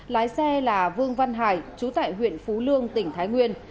lái xe là vương văn hải chú tại huyện phú lương tỉnh thái nguyên